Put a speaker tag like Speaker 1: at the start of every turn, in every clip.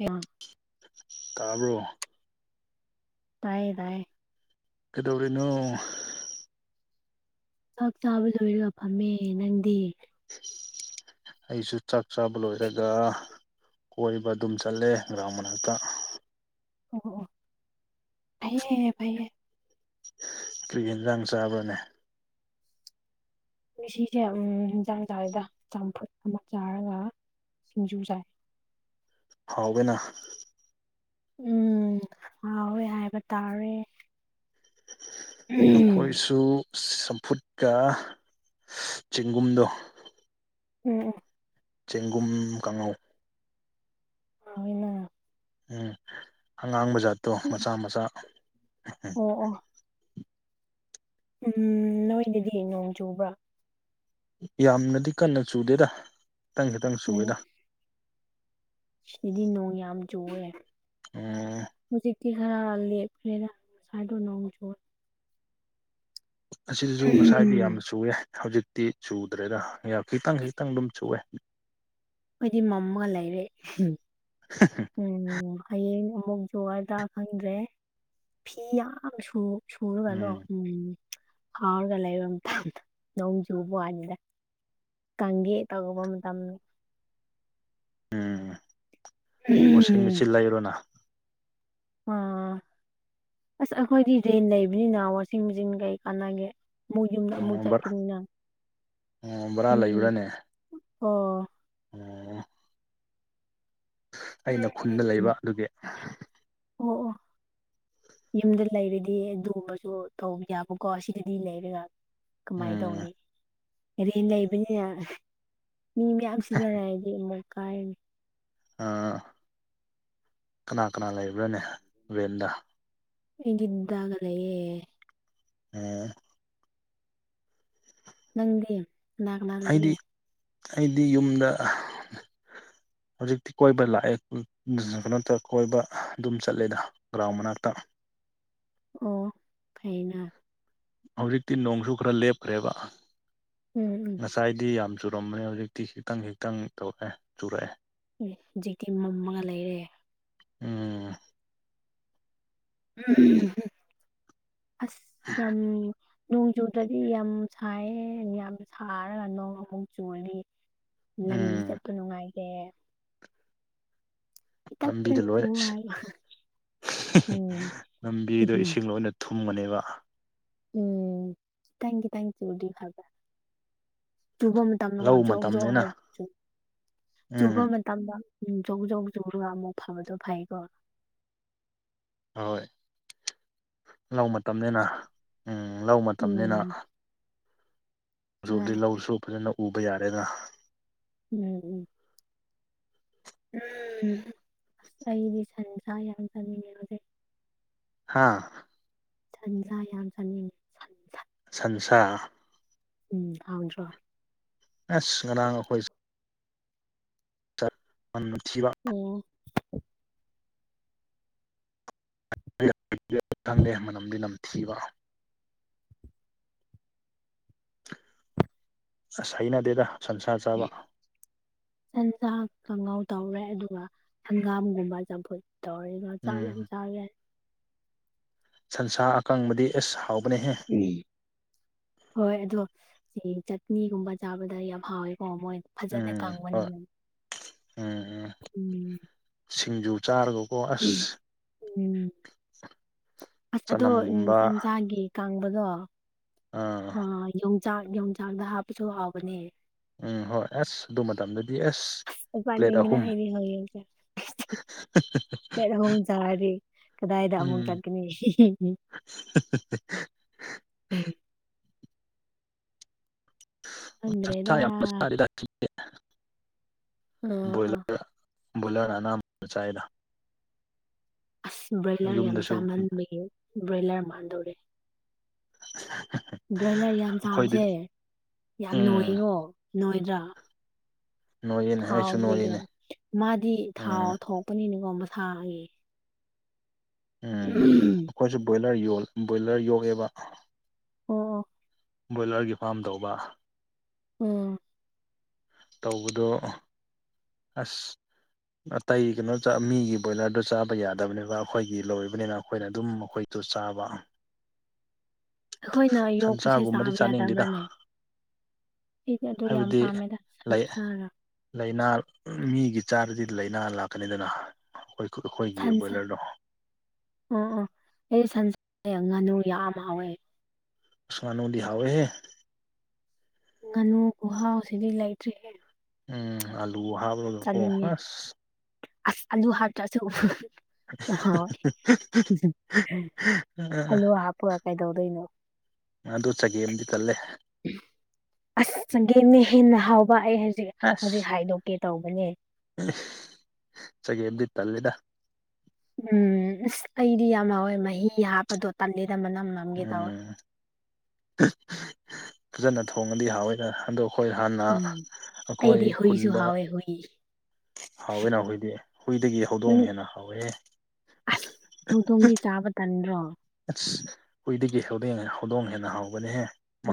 Speaker 1: ꯑ [unintelligible]
Speaker 2: ꯇꯥꯕ꯭ꯔꯣ
Speaker 1: ꯇꯥꯏꯌꯦ ꯇꯥꯏꯌꯦ
Speaker 2: ꯀꯗꯧꯔꯤꯅꯣ
Speaker 1: ꯆꯥꯛ ꯆꯥꯕ ꯂꯣꯏꯔꯒ ꯐꯝꯃꯦ ꯅꯪꯗꯤ
Speaker 2: ꯑꯩꯁꯨ ꯆꯥꯛ ꯆꯥꯕ ꯂꯣꯏꯔꯒ ꯀꯣꯏꯕ ꯑꯗꯨꯝ ꯆꯠꯂꯦ ꯒ꯭ꯔꯥꯎ ꯃꯅꯥꯛꯇ
Speaker 1: ꯑꯣ ꯑꯣ ꯐꯥꯏꯌꯦ ꯐꯥꯏꯌꯦꯦ
Speaker 2: ꯀ꯭ꯔꯤ ꯌꯦꯟꯖꯥꯡ ꯆꯥꯕ꯭ꯔꯅꯦ
Speaker 1: ꯃꯤꯦꯁꯤꯁꯦ [unintelligible] ꯍꯟꯖꯥꯡ ꯆꯥꯏꯗ ꯆꯥꯝꯐꯨꯠ ꯑꯃ ꯆꯥꯔꯒ ꯁꯤꯡꯖꯨ ꯆꯥꯏ
Speaker 2: ꯍꯥꯎꯋꯦꯅ
Speaker 1: ꯎꯝ ꯍꯥꯎꯋꯦ ꯍꯥꯏꯕ ꯇꯥꯔꯦ ꯎꯝ
Speaker 2: ꯅꯈꯣꯏꯁꯨ ꯆꯝꯐꯨꯠꯀ ꯆꯦꯡꯒꯨꯝꯗꯣ
Speaker 1: ꯑꯣ ꯑꯣ
Speaker 2: ꯆꯦꯡꯒꯨꯝ ꯀꯥꯡꯉꯧ
Speaker 1: ꯍꯅ [unintelligible]
Speaker 2: ꯎꯝ ꯑꯉꯥꯡ ꯕꯖꯥꯠꯇꯣ ꯃꯆꯥ ꯃꯆꯥ ꯎꯝ
Speaker 1: ꯑꯣ ꯑꯣ ꯎꯝ ꯅꯣꯏꯗꯗꯤ ꯅꯣꯡ ꯆꯨꯕ꯭ꯔꯥ
Speaker 2: ꯌꯥꯝꯅꯗꯤ ꯀꯟꯅ ꯆꯨꯗꯦꯗ ꯈꯤꯇꯪ ꯈꯤꯇꯪ ꯆꯨꯋꯦꯗ
Speaker 1: ꯗꯤ ꯅꯣꯡ ꯌꯥꯝ ꯆꯨꯋꯦ
Speaker 2: ꯎꯝ
Speaker 1: ꯇꯤ ꯈꯔ ꯂꯦꯞꯈ꯭ꯔꯦꯗ ꯁꯥꯏꯗ ꯅꯣꯡ ꯆꯣꯔ [unintelligible]
Speaker 2: ꯑꯁꯤꯗꯁꯨ ꯉꯁꯥꯏꯗꯤ ꯌꯥꯝꯅ ꯆꯨꯋꯦ ꯍꯧꯖꯤꯛꯇꯤ ꯆꯨꯗ꯭ꯔꯦꯗ ꯈꯤꯇꯪ ꯈꯤꯇꯪ ꯑꯗꯨꯝ ꯆꯨꯋꯦ
Speaker 1: ꯑꯩꯈꯣꯏꯗꯤ ꯃꯝꯃꯒ ꯂꯩꯔꯦ
Speaker 2: [unintelligible]
Speaker 1: ꯎꯝ ꯍꯌꯦꯡ ꯑꯃꯨꯛ ꯆꯨꯒꯘ꯭ꯔ ꯈꯪꯗ꯭ꯔꯦ ꯐꯤ ꯌꯥꯝꯁꯨ ꯁꯨꯔꯒꯅꯣ ꯎꯝ ꯍꯥꯎꯔꯒ ꯂꯩꯕ ꯃꯇꯝꯗ ꯅꯣꯡ ꯆꯨꯕ ꯋꯥꯅꯤꯗ ꯀꯥꯡꯒꯦ ꯇꯧꯕ ꯃꯇꯝ
Speaker 2: ꯎꯝ ꯋꯥꯁꯤꯡ ꯃꯦꯆꯤꯟ ꯂꯩꯔꯣꯅ
Speaker 1: ꯑꯥ ꯑꯁ ꯑꯩꯈꯣꯏꯗꯤ ꯔꯦꯟ ꯂꯩꯕꯅꯤꯅ ꯋꯥꯁꯤꯡ ꯃꯦꯆꯤꯟ ꯀꯩ ꯀꯥꯟꯅꯒꯦ ꯑꯃꯨꯛ ꯌꯨꯝꯗ ꯑꯃꯨꯛ
Speaker 2: ꯑꯣ ꯕꯔꯥ
Speaker 1: ꯆꯠꯀꯅꯤꯅ
Speaker 2: ꯑꯣ ꯕꯔꯥ
Speaker 1: ꯎꯝ ꯑꯣ
Speaker 2: ꯎ ꯑꯩꯅ ꯈꯨꯟꯗ ꯂꯩꯕ
Speaker 1: ꯎꯝ
Speaker 2: ꯑꯗꯨꯒꯤ
Speaker 1: ꯑꯣ ꯑꯣ ꯌꯨꯝꯗ ꯂꯩꯔꯗꯤ ꯑꯗꯨꯕꯁꯨ ꯇꯧꯕ ꯌꯥꯕꯀꯣ ꯁꯤꯗꯗꯤ ꯂꯩꯔꯦꯒ ꯀꯃꯥꯏꯅ
Speaker 2: ꯎꯝ
Speaker 1: ꯇꯧꯅꯤ ꯔꯦꯟ ꯂꯩꯕꯅꯤꯅ ꯃꯤ ꯃꯌꯥꯝ ꯁꯤꯖꯅꯒꯦ ꯑꯃꯨꯛ ꯀꯥꯏ
Speaker 2: ꯀꯅꯥ ꯀꯅꯥ ꯂꯩꯕ꯭ꯔꯥꯅꯦ ꯔꯦꯟꯗ
Speaker 1: ꯍꯒꯗꯒꯂꯌꯦꯦ
Speaker 2: ꯎꯝ
Speaker 1: ꯅꯪꯗꯤ ꯀꯅꯥ ꯀꯅꯥ
Speaker 2: ꯑꯩꯗꯤ
Speaker 1: ꯂꯩꯒꯦ
Speaker 2: ꯑꯩꯗꯤ ꯌꯨꯝꯗ ꯍꯧꯖꯤꯛꯇꯤ ꯀꯣꯏꯕ ꯂꯥꯛꯑꯦ ꯀꯩꯅꯣꯠꯇ ꯀꯣꯏꯕ ꯑꯗꯨꯝ ꯆꯠꯂꯦꯗ ꯭ꯔꯥꯎꯃꯅꯥꯇ [unintelligible]
Speaker 1: ꯑꯣ ꯀꯩꯅ
Speaker 2: ꯍꯧꯖꯤꯛꯇꯤ ꯅꯣꯡꯁꯨ ꯈꯔ ꯂꯦꯞꯈ꯭ꯔꯦꯕ
Speaker 1: ꯎꯝ ꯎꯝ
Speaker 2: ꯉꯁꯥꯏꯗꯤ ꯌꯥꯝ ꯆꯨꯔꯝꯕꯅꯦ ꯍꯧꯖꯤꯛꯇꯤ ꯈꯤꯛꯇꯪ ꯈꯤꯛꯇꯪ ꯇꯧꯔꯛꯑꯦ ꯆꯨꯔꯛꯑꯦ
Speaker 1: ꯎ ꯍꯧꯖꯤꯛꯇꯤ ꯃꯝꯃꯒ ꯂꯩꯔꯦ
Speaker 2: ꯎ
Speaker 1: ꯑꯁꯝ ꯅꯣꯡꯖꯨꯗꯗꯤ ꯌꯥꯝ ꯁꯥꯏꯌꯦ ꯌꯥꯝ ꯁꯥꯔꯒ ꯅꯣꯡ ꯑꯃꯨꯛ ꯆꯨꯔꯗꯤ ꯂꯝꯕꯤ
Speaker 2: ꯎꯝ
Speaker 1: ꯆꯠꯄ ꯅꯨꯡꯉꯥꯏꯈꯦ ꯈꯤꯇꯪ
Speaker 2: ꯂꯝꯕꯤꯗ
Speaker 1: ꯈꯤꯇꯪ ꯆꯨ
Speaker 2: ꯂꯣꯏꯅ
Speaker 1: ꯍꯥꯏꯕ ꯎꯝ
Speaker 2: ꯂꯝꯕꯤꯗ
Speaker 1: ꯎꯝ
Speaker 2: ꯏꯁꯤꯡ ꯂꯣꯏꯅ ꯊꯨꯝꯕꯅꯦꯕ
Speaker 1: ꯎꯝ ꯊꯀꯤ ꯊꯦꯡꯀꯤꯗꯤ ꯈꯕ ꯇꯕ ꯇꯖꯨꯕ
Speaker 2: ꯂꯧ ꯃꯇꯝꯅꯤꯅ ꯎꯝ
Speaker 1: ꯇꯗ ꯖꯧ ꯖꯧ ꯆꯧꯔꯒ ꯑꯃꯨꯛ ꯐꯕꯗꯣ ꯐꯩꯀꯣ
Speaker 2: ꯍꯣꯏ ꯂꯧ ꯃꯇꯝꯅꯤꯅ ꯎꯝ ꯂꯧ ꯃꯇꯝꯅꯤꯅ
Speaker 1: ꯎꯝ
Speaker 2: ꯎꯣꯕꯗꯤ
Speaker 1: ꯍꯣꯏ
Speaker 2: ꯂꯧꯁꯨ ꯐꯖꯅ ꯎꯕ ꯌꯥꯔꯦꯅ
Speaker 1: ꯎꯝ ꯎꯝ ꯎꯝ ꯑꯁ ꯑꯩꯗꯤ ꯁꯟꯁ ꯌꯥꯝ ꯆꯠꯅꯤꯡꯉꯦ ꯍꯧꯖꯤꯛ
Speaker 2: ꯍꯥꯥ
Speaker 1: ꯆꯟꯂ ꯌꯥꯝ ꯆꯅꯤ
Speaker 2: ꯁꯟꯁꯥ
Speaker 1: ꯎꯝ ꯍꯧꯥꯎꯅ꯭ꯔꯣ
Speaker 2: ꯑꯁ ꯉꯔꯥꯡ ꯑꯩꯈꯣꯏ ꯃꯟ ꯊꯤꯕ
Speaker 1: ꯎꯝ
Speaker 2: ꯈꯪꯗꯦ ꯃꯅꯝꯗꯤ ꯅꯝꯊꯤꯕ ꯑꯁ ꯍꯩꯅꯗꯦꯗ ꯁꯟꯁꯥ ꯆꯥꯕ
Speaker 1: ꯁꯟꯁꯥꯛ ꯈꯉꯥꯎ ꯇꯧꯔꯦ ꯑꯗꯨꯒ ꯍꯪꯒꯥꯝꯒꯨꯝꯕ ꯆꯝꯐꯨꯠ ꯇꯧꯔꯦꯒ ꯆꯥꯛ
Speaker 2: ꯎꯝ
Speaker 1: ꯌꯥꯝ ꯆ ꯆꯥꯎꯋꯦ
Speaker 2: ꯁꯟꯁꯥ ꯑꯀꯪꯕꯗꯤ ꯑꯦꯁ ꯍꯥꯎꯕꯅꯦꯍꯦ
Speaker 1: ꯎꯝ ꯍꯣꯏ ꯑꯗꯣ ꯁꯤ ꯆꯠꯅꯤꯒꯨꯝꯕ ꯆꯥꯕꯗ ꯌꯥꯝ ꯍꯥꯎꯋꯦꯀꯣ ꯃꯣꯏ ꯐꯖꯅ
Speaker 2: ꯎꯝ ꯍꯣꯏ
Speaker 1: ꯀꯥꯡꯪꯕꯅꯤꯅ ꯎꯝ
Speaker 2: ꯁꯤꯡꯖꯨ ꯆꯥꯔꯒꯀꯣ ꯑꯁ
Speaker 1: ꯎꯝ ꯑꯁ ꯑꯗꯣ ꯎꯝ
Speaker 2: ꯆꯅꯝꯒꯨꯝꯕ
Speaker 1: ꯁꯟꯖꯥꯒꯤ ꯀꯥꯡꯕꯗꯣ ꯑ
Speaker 2: ꯑꯥ
Speaker 1: ꯌꯣꯡꯆꯥꯛ ꯌꯣꯡꯆꯥꯛꯗ ꯍꯥꯞꯄꯁꯨ ꯍꯥꯎꯕꯅꯦ
Speaker 2: ꯎꯝ ꯍꯣꯏ ꯑꯁ ꯑꯗꯨ ꯃꯇꯝꯗꯗꯤ ꯑꯁ ꯄ꯭ꯂꯦꯠ
Speaker 1: ꯄꯅꯤꯡꯃꯤꯅ
Speaker 2: ꯑꯍꯨꯝ
Speaker 1: ꯑꯦꯕꯤ ꯍꯒꯡꯁꯦ
Speaker 2: [inaudible]
Speaker 1: ꯑꯃꯛ ꯆꯥꯔꯗꯤ ꯀꯗꯥꯏꯗ ꯑꯃꯨꯛ
Speaker 2: ꯎꯝ
Speaker 1: ꯆꯠꯀꯅꯤ ꯎꯝ
Speaker 2: ꯆ ꯆ
Speaker 1: ꯈꯪꯗ꯭ꯔꯦꯗ
Speaker 2: ꯌꯥꯝ ꯅꯁꯀꯗ
Speaker 1: ꯑ ꯑ
Speaker 2: ꯕꯣꯏꯂꯔ ꯕꯣꯏꯂꯔ ꯑꯅꯕ ꯆꯥꯏꯗ
Speaker 1: ꯑꯁ ꯕ꯭ꯔꯣꯏꯂꯔ ꯌꯥꯝ
Speaker 2: ꯌꯨꯝꯗꯁꯨ
Speaker 1: ꯆꯥꯝꯃꯟꯕꯒꯤ ꯕ꯭ꯔꯣꯏꯂꯔ ꯃꯥꯟꯅꯗꯧꯔꯦ
Speaker 2: [unintelligible]
Speaker 1: ꯕ꯭ꯔꯣꯏꯂꯔ ꯌꯥꯝ ꯆꯥꯕꯁꯦ
Speaker 2: ꯑꯩꯈꯣꯏꯗꯗꯤ
Speaker 1: ꯌꯥꯝ
Speaker 2: ꯎꯝ
Speaker 1: ꯅꯣꯏꯌꯦꯀꯣ ꯅꯣꯏꯗ꯭ꯔꯥ
Speaker 2: ꯅꯣꯏꯌꯦꯅꯦ
Speaker 1: ꯊꯥꯎ
Speaker 2: ꯑꯩꯁꯨ
Speaker 1: ꯀꯩ ꯀ
Speaker 2: ꯅꯣꯏꯌꯦꯅꯦ
Speaker 1: ꯃꯥꯗꯤ ꯊꯥꯎ
Speaker 2: ꯎꯝ
Speaker 1: ꯊꯣꯛꯄꯅꯤꯅꯦꯀꯣ ꯃꯁꯥꯒꯤ
Speaker 2: ꯎꯝ ꯑꯩꯈꯣꯏꯁꯨ ꯕꯣꯏꯂꯔ ꯕꯣꯏꯂꯔ ꯌꯣꯛꯑꯦꯕ
Speaker 1: ꯑꯣ
Speaker 2: ꯕꯣꯏꯂꯔꯒꯤ ꯐꯥꯝ ꯇꯧꯕ
Speaker 1: ꯑꯣꯝ
Speaker 2: ꯇꯧꯕꯗꯣ ꯑꯁ ꯑꯇꯩ ꯀꯩꯅꯣ ꯃꯤꯒꯤ ꯕꯣꯏꯂꯔꯗꯨꯣ ꯆꯥꯕ ꯌꯥꯗꯕꯅꯤꯕ ꯑꯩꯈꯣꯏꯒꯤ ꯂꯣꯏꯕꯅꯤꯅ ꯑꯩꯈꯣꯏꯅ ꯑꯗꯨꯝ ꯑꯩꯣꯏ ꯇ ꯆꯥꯎꯥꯕ
Speaker 1: ꯑꯩꯈꯣꯏꯅ ꯌꯣꯛꯄꯁꯦ
Speaker 2: ꯁꯟꯁꯥꯒꯨꯝꯕꯗꯤ
Speaker 1: ꯆꯥꯕ
Speaker 2: ꯆꯥꯅꯤꯡꯗꯦꯗ
Speaker 1: ꯌꯥꯗꯕ꯭ꯔꯥꯅꯦ ꯑꯩꯗꯤ ꯑꯗꯨ ꯌꯥꯝ
Speaker 2: ꯍꯥꯏꯕꯗꯤ
Speaker 1: ꯄꯥꯝꯃꯦꯗ ꯁꯟ
Speaker 2: ꯂꯩ
Speaker 1: ꯆꯥꯒ
Speaker 2: ꯂꯥꯏꯅꯥ ꯃꯤꯒꯤ ꯆꯥꯗꯗꯤ ꯂꯥꯏꯅꯥ ꯂꯥꯛꯀꯅꯤꯗꯅ ꯑꯩꯈꯣꯏ ꯑꯩꯈꯣꯏꯒꯤ
Speaker 1: ꯁꯟꯁꯥ
Speaker 2: ꯕꯣꯏꯂꯔꯗꯣ
Speaker 1: ꯑꯣ ꯑꯣ ꯑꯩ ꯁꯟꯁ ꯉꯥꯅꯨ ꯌꯥꯝ ꯍꯥꯎꯋꯦ
Speaker 2: ꯑꯃꯥꯅꯣ ꯂꯤꯍꯋꯣꯏꯍꯦ
Speaker 1: ꯉꯥꯅꯨ ꯨꯍꯥꯎ ꯁꯤꯗꯤ ꯂꯩꯇ꯭ꯔꯦ
Speaker 2: ꯎꯝ ꯑꯜꯂꯨ ꯍꯥꯕ
Speaker 1: ꯆꯠꯅꯤꯡꯉꯦ ꯑꯁ ꯑꯂꯨ ꯍꯥꯇ꯭ꯔꯁꯨ ꯑ ꯍꯣꯏ ꯑꯜꯂꯨ ꯍꯥꯞꯄꯒ ꯀꯩꯗꯧꯗꯣꯏꯅꯣ
Speaker 2: ꯑꯗꯨ ꯆꯒꯦꯝꯗꯤ ꯀꯜꯂꯦ
Speaker 1: ꯎ ꯑꯁ ꯆꯪꯒꯦ ꯃꯤ ꯍꯦꯟꯅ ꯍꯥꯎꯕ ꯑꯩ ꯍꯧꯖꯤꯛ ꯍꯧꯖꯤꯛ ꯍꯥꯏꯗꯣꯛꯀꯦ ꯇꯧꯕꯅꯦ
Speaker 2: ꯆꯒꯗꯤ ꯇꯜꯂꯦꯗ
Speaker 1: ꯎꯝ ꯑꯁ ꯑꯩꯗꯤ ꯌꯥꯝꯃꯋꯦ ꯃꯍꯤ ꯍꯥꯞꯄꯗꯣ ꯇꯝꯂꯗ ꯃꯅꯝꯃ
Speaker 2: ꯎꯝ ꯐꯖꯅ ꯊꯣꯡꯉꯗꯤ ꯍꯥꯎꯑꯣꯏꯗꯅ ꯍꯟꯗꯣꯛ ꯑꯩꯈꯣꯏ ꯍꯥꯟꯅ
Speaker 1: ꯎꯝ
Speaker 2: ꯑꯩꯈꯣꯏ
Speaker 1: ꯑꯩꯗꯤ ꯍꯨꯏꯁꯨ
Speaker 2: ꯈꯨꯟꯗ
Speaker 1: ꯍꯥꯎꯋꯦ ꯍꯨꯏ
Speaker 2: ꯍꯥꯎꯋꯦ ꯅ ꯍꯨꯏꯗꯤ ꯍꯨꯏꯗꯒꯤ
Speaker 1: ꯅꯪ
Speaker 2: ꯍꯧꯗꯣꯡꯉꯦꯅ ꯍꯥꯎꯋꯦꯍꯦ
Speaker 1: ꯑꯁ ꯎ ꯇꯣꯝꯤ ꯆꯥꯕ ꯇꯟ꯭ꯔꯣ
Speaker 2: ꯑꯦꯁ ꯍꯨꯏꯗꯒꯤ ꯍꯧ ꯍꯧꯗꯣꯡ ꯍꯦꯟꯅ ꯍꯥꯎꯒꯅꯤꯍꯦ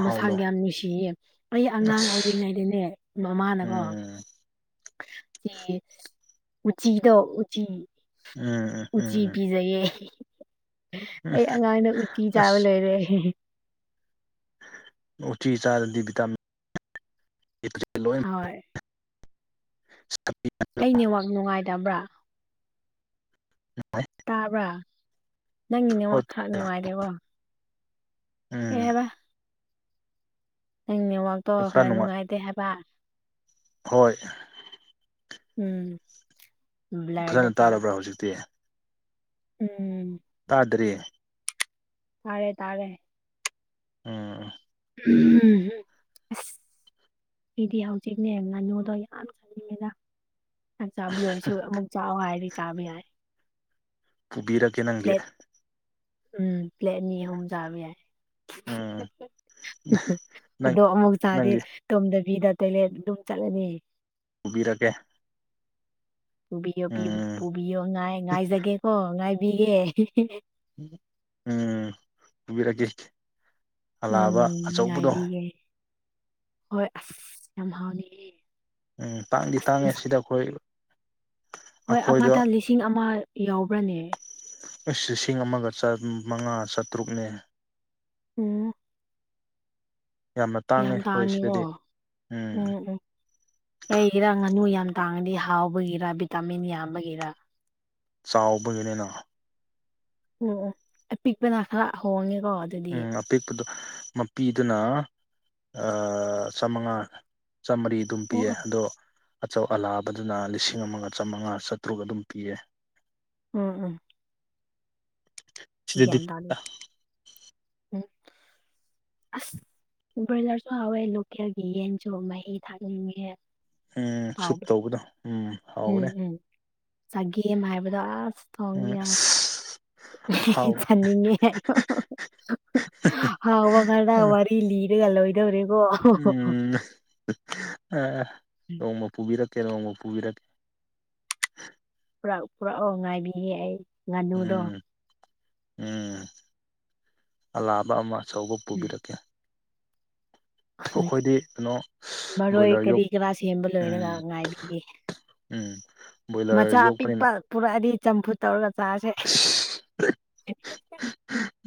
Speaker 1: ꯃꯁꯥ ꯌꯥꯝ ꯅꯨꯡꯁꯤꯌꯦ ꯑꯩ ꯑꯉꯥꯡ
Speaker 2: ꯑꯁ
Speaker 1: ꯑꯣꯏꯔꯤꯉꯩꯗꯅꯦ ꯃꯃꯥꯅꯀꯣ
Speaker 2: ꯎꯝ
Speaker 1: ꯎꯆꯤꯗ ꯎꯆꯤ
Speaker 2: ꯎꯝ ꯎꯝ
Speaker 1: ꯎ ꯎꯆꯤ
Speaker 2: ꯎꯝ ꯎꯝ
Speaker 1: ꯄꯤꯖꯩꯌꯦ
Speaker 2: ꯎꯝ
Speaker 1: ꯑꯩ ꯑꯉꯥꯡꯅ ꯎꯇꯤ ꯆꯥꯕ
Speaker 2: ꯑꯁ
Speaker 1: ꯂꯩꯣꯏꯔꯦ
Speaker 2: ꯎꯆ ꯎꯆꯤ ꯆꯥꯗꯗꯤ ꯚꯤꯇꯥꯃꯤꯟ ꯂꯣꯏ
Speaker 1: ꯍꯣꯏ
Speaker 2: ꯁ
Speaker 1: ꯀꯅꯦꯋꯥꯛ ꯅꯨꯡꯉꯥꯏꯗꯕ꯭ꯔꯥ ꯇꯥꯕ꯭ꯔꯥ ꯅꯪꯒꯤꯅꯦꯉ
Speaker 2: ꯍꯣꯏ
Speaker 1: ꯈꯔ ꯅꯨꯡꯉꯥꯏꯔꯦꯕꯣ ꯀꯩ
Speaker 2: ꯎꯝ
Speaker 1: ꯍꯥꯏꯕ ꯅꯪꯅꯦ ꯋꯥꯛ ꯇꯧꯔꯒ ꯈꯔ ꯅꯨꯡꯉꯥꯏꯇꯦ ꯍꯥꯏꯕ
Speaker 2: ꯍꯣꯏ
Speaker 1: ꯎꯝ ꯕ꯭ꯂꯔꯗ
Speaker 2: ꯐꯖꯅ
Speaker 1: ꯆꯠꯂꯤ
Speaker 2: ꯇꯥꯔꯕ꯭ꯔꯥ ꯍꯧꯖꯤꯛꯇꯤ
Speaker 1: ꯎꯝ
Speaker 2: ꯇꯥꯗ꯭ꯔꯤꯌꯦ
Speaker 1: ꯇꯥꯔꯦ ꯇꯥꯔꯦ
Speaker 2: ꯎꯝ
Speaker 1: ꯎꯝ ꯐꯗꯤ ꯍꯧꯖꯤꯛꯅꯦ ꯉꯥꯅꯨꯗꯣ ꯌꯥꯝ ꯆꯪꯅꯤꯡꯉꯤꯗ ꯑ ꯆꯥꯕ ꯂꯣꯏꯔꯁꯨ ꯑꯃꯨꯛ ꯆꯥꯎꯥꯛꯑꯣ ꯍꯥꯏꯔꯗꯤ ꯆꯥꯕ ꯌꯥꯏ
Speaker 2: ꯄꯨꯕꯤꯔꯛꯀꯦ ꯅꯪꯒꯤ
Speaker 1: ꯄ꯭ꯂꯦꯠ ꯎꯝ ꯄ꯭ꯂꯦꯠ ꯑꯅꯤ ꯑꯍꯨꯝ ꯆꯥꯕ ꯌꯥꯏ
Speaker 2: ꯎꯝ
Speaker 1: [unintelligible]
Speaker 2: ꯅꯪ
Speaker 1: ꯑꯗꯣ ꯑꯃꯨꯛ ꯆꯥꯗꯦ
Speaker 2: ꯅꯪꯒꯤ
Speaker 1: ꯇꯣꯝꯗꯕꯤꯗ ꯇꯣꯏꯂꯦꯠ ꯑꯗꯨꯝ ꯆꯠꯂꯅꯤ
Speaker 2: ꯄꯨꯕꯤꯔꯛꯒꯦ
Speaker 1: ꯄꯨꯕꯤꯌꯣ
Speaker 2: ꯎꯝ
Speaker 1: ꯄꯨꯕꯤꯌꯣ ꯉꯥꯏ ꯉꯥꯏꯖꯒꯦꯀꯣ ꯉꯥꯏꯕꯤꯒꯦ
Speaker 2: ꯎꯝ ꯄꯨꯕꯤꯔꯛꯒꯦ
Speaker 1: ꯎꯝ ꯉꯥꯏꯕꯤꯒꯦ ꯍꯣꯏ ꯑꯁ ꯌꯥꯝ ꯍꯥꯎꯅꯤ
Speaker 2: ꯎꯝ ꯇꯥꯡꯗꯤ ꯇꯥꯡꯉꯦ ꯁꯤꯗ ꯑꯩꯈꯣꯏ
Speaker 1: ꯍꯣꯏ
Speaker 2: ꯑꯩꯈꯣꯏꯗ
Speaker 1: ꯑꯃꯗ ꯂꯤꯁꯤꯡ ꯑꯃ ꯌꯥꯎꯕ꯭ꯔꯅꯦ
Speaker 2: ꯑꯁ ꯂꯤꯁꯤꯡ ꯑꯃꯒ ꯆꯝꯃꯉꯥ ꯆꯥꯇ꯭ꯔꯨꯛꯅꯦ
Speaker 1: ꯑꯣ
Speaker 2: ꯌꯥꯝꯅ ꯇꯥꯡꯉꯦ
Speaker 1: ꯌꯥꯝ
Speaker 2: ꯑꯩꯈꯣꯏ
Speaker 1: ꯇꯥꯡꯉꯤꯀꯣ
Speaker 2: ꯁꯤꯗꯗꯤ
Speaker 1: ꯎꯝ ꯎꯝ ꯀꯩꯒꯤꯔꯥ ꯉꯥꯅꯨ ꯌꯥꯝ ꯇꯥꯡꯉꯗꯤ ꯍꯥꯎꯕꯒꯤꯔ ꯚꯤꯇꯥꯃꯤꯟ ꯌꯥꯝꯕꯒꯤꯔ
Speaker 2: ꯆꯥꯎꯕꯒꯤꯅꯤꯅ
Speaker 1: ꯑꯣ ꯑꯣ ꯑꯄꯤꯛꯄꯅ ꯈꯔ ꯍꯣꯡꯉꯦꯀꯣ ꯑꯗꯨꯗꯤ
Speaker 2: ꯎꯝ ꯑ ꯄꯤꯛꯄꯗꯣ ꯃꯄꯤꯗꯨꯅ ꯑ ꯆꯥꯃꯉꯥ ꯆꯥꯝꯃꯔꯤ ꯑꯗꯨꯝ
Speaker 1: ꯑꯣ
Speaker 2: ꯄꯤꯌꯦ
Speaker 1: ꯑꯣ
Speaker 2: ꯑꯗꯣ ꯑꯆꯧ ꯑꯂꯥꯕꯗꯨꯅ ꯂꯤꯁꯤꯡ ꯑꯃꯒ ꯆꯃꯉꯥ ꯆꯥꯇ꯭ꯔꯨꯛ ꯑꯗꯨꯝ ꯄꯤꯌꯦ
Speaker 1: ꯎꯝ ꯎꯝ
Speaker 2: ꯁꯤꯗꯗꯤ
Speaker 1: ꯒ꯭ꯌꯥꯟ ꯇꯥꯗꯦ ꯎꯝ ꯑꯁ ꯕ꯭ꯔꯣꯏꯂꯔꯁꯨ ꯍꯥꯎꯋꯦ ꯂꯣꯀꯦꯜꯒꯤ ꯌꯦꯟꯁꯨ ꯃꯍꯤ ꯊꯥꯛꯅꯤꯡꯉꯦ
Speaker 2: ꯎꯝ ꯁꯨꯞ
Speaker 1: ꯍꯥꯎꯕ
Speaker 2: ꯇꯧꯕꯗꯣ ꯎꯝ
Speaker 1: ꯎꯝ
Speaker 2: ꯍꯥꯎꯕꯅꯦ
Speaker 1: ꯎꯝ ꯆꯒꯦꯝ ꯍꯥꯏꯕꯗꯣ ꯑꯁ ꯊꯣꯡꯒꯦ
Speaker 2: ꯎꯝ
Speaker 1: ꯌꯥꯝ
Speaker 2: ꯑꯁ ꯍꯥꯎ
Speaker 1: [unintelligible] ꯆꯅꯤꯡꯉꯦ ꯍꯥꯎꯌꯣ [unintelligible] ꯂꯤꯔꯒ ꯂꯣꯏꯗꯧꯔꯦꯀꯣ
Speaker 2: ꯎꯝ ꯑ ꯅꯣꯡꯃ ꯄꯨꯕꯤꯔꯛꯀꯦ ꯅꯣꯡꯃ ꯄꯨꯕꯤꯔꯛꯀꯦ
Speaker 1: ꯄꯨꯔꯛ ꯄꯨꯔꯛꯑꯣ ꯉꯥꯏꯕꯤꯒꯦ ꯑꯩ ꯉꯥꯅꯨꯗꯣ
Speaker 2: ꯎꯝ ꯎꯝ ꯑꯂꯥꯕ ꯑꯃ ꯑꯆꯧꯕ
Speaker 1: ꯎꯝ
Speaker 2: ꯄꯨꯕꯤꯔꯛꯀꯦ [unintelligible] ꯑꯩꯈꯣꯏꯗꯤ ꯀꯩꯅꯣ
Speaker 1: ꯃꯔꯣꯏ
Speaker 2: ꯕꯣꯏꯂꯔ
Speaker 1: ꯀꯔꯤ
Speaker 2: ꯌꯣꯛ [unintelligible]
Speaker 1: ꯀꯔꯥ ꯁꯦꯝꯕ ꯂꯣꯏꯔꯒ ꯉꯥꯏꯕꯤꯒꯦ
Speaker 2: ꯎꯝ ꯕꯣꯏꯂꯔ
Speaker 1: ꯃꯆꯥ
Speaker 2: ꯌꯣꯛꯄꯅꯤꯅ
Speaker 1: ꯑꯄꯤꯛꯄ ꯄꯨꯔꯛꯑꯗꯤ ꯆꯝꯐꯨꯠ ꯇꯧꯔꯒ ꯆꯥꯁꯦ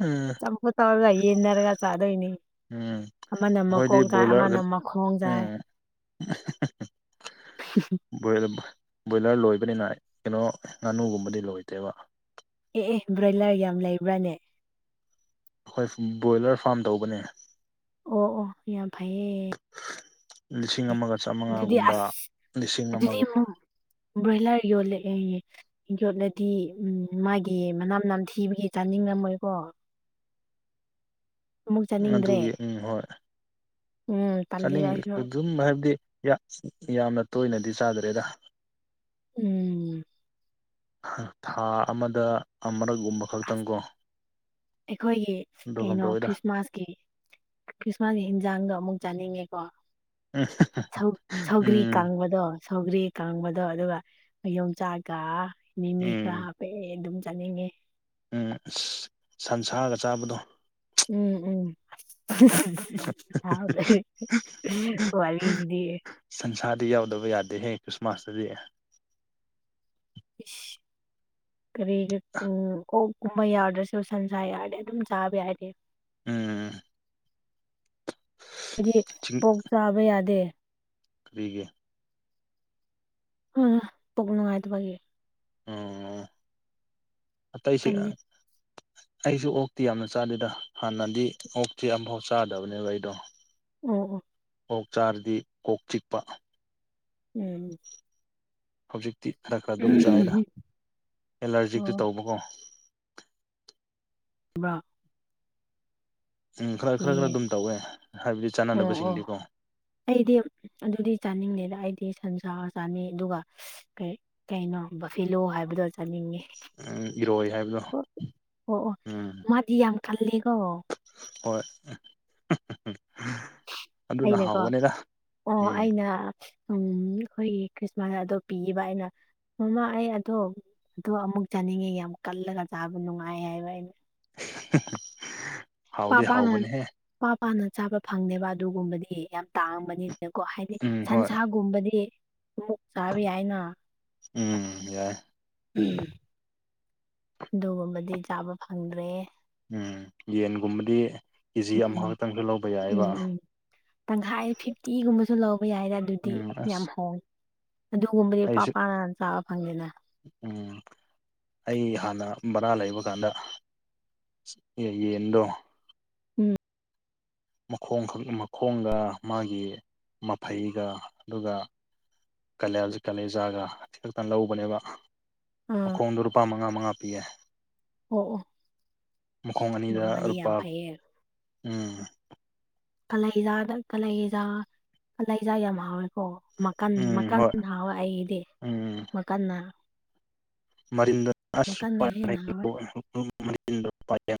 Speaker 2: ꯎꯝ
Speaker 1: ꯇꯥꯎꯔꯒ ꯌꯦꯟꯅꯔꯒ ꯆꯥꯗꯣꯏꯅꯤ
Speaker 2: ꯎꯝ
Speaker 1: ꯑꯃꯅ ꯃꯀꯣꯛ
Speaker 2: ꯑꯩꯈꯣꯏꯗꯤ
Speaker 1: ꯆꯥꯏ
Speaker 2: ꯕꯣꯏꯂꯔ
Speaker 1: ꯑꯃꯅ ꯃꯈꯣꯡ ꯆꯥꯏ
Speaker 2: ꯎꯝ
Speaker 1: [unintelligible]
Speaker 2: ꯕꯣꯏꯂꯔ ꯕꯣꯏꯂꯔ ꯂꯣꯏꯕꯅꯤꯅ ꯀꯩꯅꯣ ꯉꯥꯅꯨꯒꯨꯝꯕꯗꯤ ꯂꯣꯏꯗꯦꯕ
Speaker 1: ꯑꯦ ꯑꯦ ꯕ꯭ꯔꯣꯏꯂꯔ ꯌꯥꯝ ꯂꯩꯕ꯭ꯔꯅꯦ
Speaker 2: ꯑꯩꯈꯣꯏ ꯕꯣꯏꯂꯔ ꯐꯥꯔꯝ ꯇꯧꯕꯅꯦ
Speaker 1: ꯑꯣ ꯑꯣ ꯌꯥꯝ ꯐꯩꯌꯦ
Speaker 2: ꯂꯤꯁꯤꯡ ꯑꯃꯒ
Speaker 1: ꯑꯗꯨꯗꯤ
Speaker 2: ꯆꯥꯝꯃꯉꯥꯒꯨꯝꯕ
Speaker 1: ꯑꯁ
Speaker 2: ꯂꯤꯁꯤꯡ
Speaker 1: ꯑꯗꯨꯗꯤ
Speaker 2: ꯑꯃꯒ
Speaker 1: ꯑꯃꯨꯛ ꯕ꯭ꯔꯣꯏꯂꯔ ꯌꯣꯜꯂꯦ ꯑꯦ ꯌꯣꯠꯂꯗꯤ ꯎꯝ ꯃꯥꯒꯤ ꯃꯅꯥꯝ ꯅꯝ ꯊꯤꯕꯒꯤ ꯆꯥꯅꯤꯡꯉꯝꯃꯣꯏꯀꯣ ꯑꯃꯨꯛ ꯆꯥꯅꯤꯡꯗ꯭ꯔꯦ
Speaker 2: ꯑꯗꯨꯒꯤ ꯎꯝ ꯍꯣꯏ
Speaker 1: ꯎꯝ ꯇꯜꯂꯤ
Speaker 2: ꯆꯅꯤꯡ
Speaker 1: ꯑꯩꯁꯨ
Speaker 2: ꯑꯗꯨꯝ ꯍꯥꯏꯕꯗꯤ [unintelligible] ꯌꯥꯝꯅ ꯇꯣꯏꯅꯗꯤ ꯆꯥꯗ꯭ꯔꯦꯗ
Speaker 1: ꯎꯝ
Speaker 2: ꯊꯥ ꯑꯃꯗ ꯑꯃꯔꯛꯒꯨꯝꯕ
Speaker 1: ꯑꯁ
Speaker 2: ꯈꯛꯇꯪ ꯀꯣ
Speaker 1: ꯑꯩꯈꯣꯏꯒꯤ ꯀꯩꯅꯣ ꯈ꯭ꯔꯤꯁꯃꯥꯁꯀꯤ ꯈ꯭ꯔꯤꯁꯃꯥꯁꯀꯤ ꯍꯦꯟꯖꯥꯡꯗꯣ ꯑꯃꯨꯛ ꯆꯥꯅꯤꯡꯉꯦꯀꯣ
Speaker 2: ꯎꯝ
Speaker 1: ꯁꯧ ꯁꯧꯒ꯭ꯔꯤ
Speaker 2: ꯎꯝ
Speaker 1: ꯀꯥꯡꯕꯗꯣ ꯁꯧꯒ꯭ꯔꯤ ꯀꯥꯡꯕꯗꯣ ꯑꯗꯨꯒ ꯌꯣꯡꯆꯥꯛꯒ ꯃꯤꯃꯤ ꯈꯔ
Speaker 2: ꯎꯝ
Speaker 1: ꯍꯥꯞ ꯍ ꯑꯗꯨꯝ ꯆꯠꯅꯤꯡꯉꯦ
Speaker 2: ꯎꯝ ꯑ ꯁꯟꯁꯥꯒ ꯆꯥꯕꯗꯣ
Speaker 1: ꯎꯝ ꯎꯝ ꯍꯥꯎꯗ ꯍꯕꯤꯖꯗꯤ
Speaker 2: ꯁꯟꯁꯥꯔꯗꯤ ꯌꯥꯎꯗꯕ ꯌꯥꯗꯦꯍꯦ ꯈ꯭ꯔꯤꯁꯃꯥꯁꯇꯗꯤ
Speaker 1: ꯀꯔꯤꯒ ꯎꯝ ꯀꯨꯝꯍꯩ ꯌꯥꯎꯗ꯭ꯔꯁꯨ ꯁꯟꯁꯥ ꯌꯥꯎꯔꯗꯤꯦ ꯑꯗꯨꯝ ꯆꯥꯕ ꯌꯥꯏꯔꯦ
Speaker 2: ꯎꯝ
Speaker 1: ꯍꯥꯏꯗꯤ ꯀꯣꯛ ꯆꯥꯕ ꯌꯥꯗꯦ
Speaker 2: ꯀꯕꯤꯒꯦ
Speaker 1: ꯑ ꯄꯣꯛ ꯅꯨꯡꯉꯥꯏꯗꯨꯕꯒꯤꯦ
Speaker 2: ꯑꯣ ꯑꯇꯩꯁꯤꯦ
Speaker 1: ꯇꯜꯂꯤ
Speaker 2: ꯑꯩꯁꯨ ꯑꯣꯛꯇꯤ ꯌꯥꯝꯅ ꯆꯥꯗꯦꯗ ꯍꯥꯟꯅꯗꯤ ꯑꯣꯛꯇꯤ ꯑꯃꯝꯐꯥꯎ ꯆꯥꯗꯕꯅꯦꯕ ꯑꯩꯗꯣ [unintelligible]
Speaker 1: ꯑꯣ ꯑꯣ
Speaker 2: ꯑꯣꯛ ꯆꯥꯔꯗꯤ ꯀꯣꯛ ꯆꯤꯛꯄ
Speaker 1: ꯎꯝ
Speaker 2: ꯍꯧꯖꯤꯛꯇꯤ ꯈꯔ ꯈꯔ ꯑꯗꯨꯝ ꯆꯥꯏꯅ ꯑꯦꯂꯔꯖꯤꯛꯇꯤ
Speaker 1: ꯑꯣ
Speaker 2: ꯇꯧꯕꯀꯣ
Speaker 1: [unintelligible]
Speaker 2: ꯎꯝ ꯈꯔ ꯈꯔ ꯈꯔ
Speaker 1: ꯌꯦ
Speaker 2: ꯑꯗꯨꯝ ꯇꯧꯋꯦ ꯍꯥꯏꯕꯗꯤ
Speaker 1: ꯑꯣ ꯑꯣ
Speaker 2: ꯆꯥꯟꯅꯅꯕꯁꯤꯡꯗꯤꯀꯣ
Speaker 1: ꯑꯩꯗꯤ ꯑꯗꯨꯗꯤ ꯆꯥꯅꯤꯡꯉꯦꯗ ꯑꯩꯗꯤ ꯁꯟꯁꯥ ꯆꯥꯅꯩ ꯑꯗꯨꯒ ꯀꯩ ꯀꯩꯅꯣ ꯕꯐꯤꯂꯣ ꯍꯥꯏꯕꯗꯣ ꯆꯥꯅꯤꯡꯉꯤ
Speaker 2: ꯎꯝ ꯏꯔꯣꯏ ꯍꯥꯏꯕꯗꯣ
Speaker 1: ꯑꯣ ꯑꯣ
Speaker 2: ꯎꯝ
Speaker 1: ꯃꯥꯗꯤ ꯌꯥꯝ ꯀꯜꯂꯦꯀꯣ
Speaker 2: ꯍꯣꯏ ꯑꯗꯨꯅ
Speaker 1: ꯑꯩꯅꯀꯣ
Speaker 2: ꯍꯥꯎꯕꯅꯦꯗ
Speaker 1: ꯑꯣ
Speaker 2: ꯎꯝ
Speaker 1: ꯑꯩꯅ ꯎꯝ ꯑꯩꯈꯣꯏꯒꯤ ꯈ꯭ꯔꯤꯁꯃꯥꯁ ꯑꯗꯣ ꯄꯤꯕ ꯑꯩꯅ ꯃꯃꯥ ꯑꯩ ꯑꯗꯣ ꯑꯗꯣ ꯑꯃꯨꯛ ꯆꯥꯅꯤꯡꯉꯦ ꯌꯥꯝ ꯀꯜꯂꯒ ꯆꯥꯕ ꯅꯨꯡꯉꯥꯏ ꯍꯥꯏꯕ ꯑꯩꯅ
Speaker 2: [unintelligible]
Speaker 1: ꯄꯥ ꯄꯥꯅ
Speaker 2: ꯍꯥꯎꯕꯅꯦꯍꯦ
Speaker 1: ꯄ ꯄꯥꯅ ꯆꯥꯕ ꯐꯪꯅꯦꯦꯕ ꯑꯗꯨꯒꯨꯝꯕꯗꯤ ꯌꯥꯝ ꯇꯥꯡꯕꯅꯤ ꯀꯣ ꯍꯥꯏꯗꯤ
Speaker 2: ꯎꯝ ꯍꯣꯏ
Speaker 1: ꯁꯟꯁꯥꯒꯨꯝꯕꯗꯤ ꯑꯃꯨꯛ ꯆꯥꯕ ꯌꯥꯏꯅ
Speaker 2: ꯎꯝ ꯌꯥꯏ
Speaker 1: ꯎꯝ ꯑꯗꯨꯒꯨꯝꯕꯗꯤ ꯆꯥꯕ ꯐꯪꯗ꯭ꯔꯦ
Speaker 2: ꯎꯝ ꯌꯦꯟꯒꯨꯝꯕꯗꯤ ꯀꯦꯖꯤ
Speaker 1: ꯎꯝ
Speaker 2: ꯑꯃꯈꯛꯇꯪꯁꯨ ꯂꯧꯕ ꯌꯥꯏꯕ
Speaker 1: ꯎꯝ ꯎꯝ ꯇꯪꯈꯥꯏ ꯐꯤꯐꯇꯤꯒꯨꯝꯕꯁꯨ ꯂꯧꯕ ꯌꯥꯏꯔꯦ ꯑꯗꯨꯗꯤ
Speaker 2: ꯎꯝ ꯑꯁ
Speaker 1: ꯌꯥꯝ ꯍꯣꯡꯏ
Speaker 2: ꯑꯩꯁꯨ
Speaker 1: ꯑꯗꯨꯒꯨꯝꯕꯗꯤꯄꯥꯄꯥꯅ ꯆꯥꯕ ꯐꯪꯗꯦꯅ
Speaker 2: ꯎꯝ ꯑꯩ ꯍꯥꯟꯅ ꯕꯔꯥ ꯂꯩꯕ ꯀꯥꯟꯗ ꯌꯦꯟꯗꯣ
Speaker 1: ꯎꯝ
Speaker 2: ꯃꯈꯣꯡꯈꯛ ꯃꯈꯣꯡꯒ ꯃꯥꯒꯤ ꯃꯐꯩꯒ ꯑꯗꯨꯒ ꯀꯥꯂꯦꯜꯁ ꯀꯥꯂꯦꯟꯖꯥꯒ ꯈꯛꯇ ꯂꯧꯕꯅꯦꯕ
Speaker 1: ꯑꯥ
Speaker 2: ꯃꯈꯣꯡꯗꯣ ꯂꯨꯄꯥ ꯃꯉꯥ ꯃꯉꯥ ꯄꯤ
Speaker 1: ꯑꯣ ꯑꯣ
Speaker 2: ꯃꯈꯣꯡ ꯑꯅꯤꯗ
Speaker 1: ꯃꯉꯥꯗꯤ
Speaker 2: ꯂꯨꯄꯥ
Speaker 1: ꯌꯥꯝ ꯐꯩꯌꯦ
Speaker 2: ꯎꯝ
Speaker 1: ꯀꯥꯂꯩꯖꯥꯗ ꯀꯥꯂꯩꯖꯥ ꯀꯥꯂꯩꯖꯥ ꯌꯥꯝ ꯍꯥꯎꯋꯦꯀꯣ ꯃꯀꯟ
Speaker 2: ꯎꯝ
Speaker 1: ꯃꯀꯥꯟ
Speaker 2: ꯍꯣꯏ
Speaker 1: ꯍꯋꯥ ꯑꯩꯗꯤ
Speaker 2: ꯎꯝ
Speaker 1: ꯃꯈꯜ ꯃꯀꯟꯅ ꯍꯦꯟꯅ ꯍꯥꯎꯋꯦ
Speaker 2: [unintelligible]